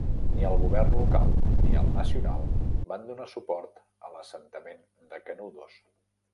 Ni el govern local ni el nacional van donar suport a l'assentament de Canudos.